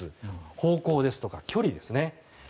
方向ですとか、距離ですね。